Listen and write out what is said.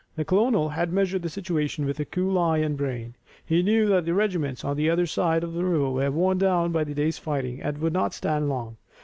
The colonel had measured the situation with a cool eye and brain. He knew that the regiments on the other side of the river were worn down by the day's fighting and would not stand long.